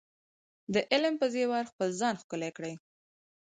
د علم په زیور خپل ځان ښکلی کړئ.